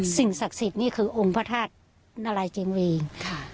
สิ่งศักดิ์สิทธิ์นี่คือองค์พระธาตุนารายเจงเวงค่ะ